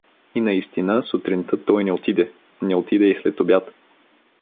И наистина, сутринта той не отиде, не отиде и след обяд.